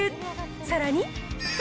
さらに。